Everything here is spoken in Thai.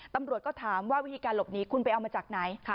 ตำรวจก็ถามว่าวิธีการหลบหนีคุณไปเอามาจากไหน